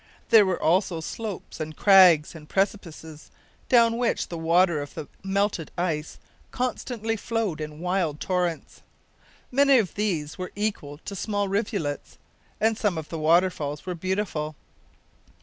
There were also slopes and crags and precipices, down which the water of the melted ice constantly flowed in wild torrents. Many of these were equal to small rivulets, and some of the waterfalls were beautiful.